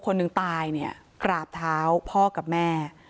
คนหนึ่งตายเนี่ยกราบเท้าพ่อกับแม่